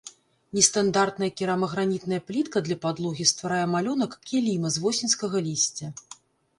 Нестандартная керамагранітная плітка для падлогі стварае малюнак кіліма з восеньскага лісця.